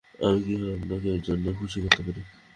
আমি কিভাবে আপনাকে এর জন্য খুশি করতে পারি?